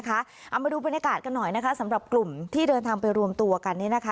เอามาดูบรรยากาศกันหน่อยนะคะสำหรับกลุ่มที่เดินทางไปรวมตัวกันเนี่ยนะคะ